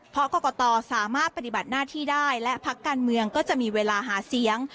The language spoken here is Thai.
เพราะกรกตสามารถปฏิบัติหน้าที่ได้และพักการเมืองก็จะมีเวลาหาเสียง